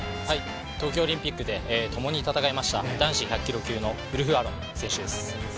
東京オリンピックでともに戦いました男子１００キロ級のウルフアロン選手です。